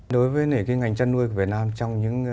đối với ngành chăn nuôi của việt nam trong những năm gần đây